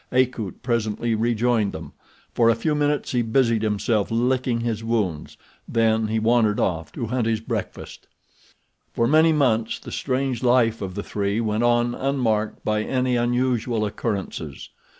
Akut presently rejoined them. For a few minutes he busied himself licking his wounds, then he wandered off to hunt his breakfast. For many months the strange life of the three went on unmarked by any unusual occurrences.